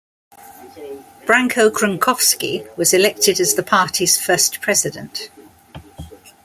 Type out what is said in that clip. Branko Crvenkovski was elected as the party's first president.